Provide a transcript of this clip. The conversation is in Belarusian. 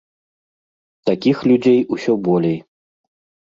Такіх людзей усё болей.